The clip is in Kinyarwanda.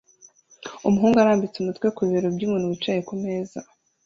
Umuhungu arambitse umutwe ku bibero by'umuntu wicaye ku meza